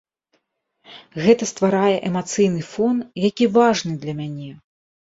Гэта стварае эмацыйны фон, які важны для мяне.